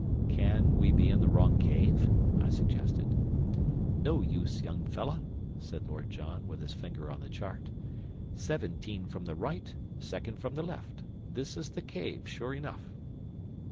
"Can we be in the wrong cave?" I suggested. "No use, young fellah," said Lord John, with his finger on the chart. "Seventeen from the right and second from the left. This is the cave sure enough."